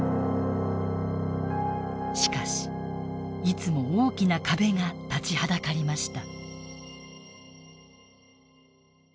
しかしいつも大きな壁が立ちはだかりました。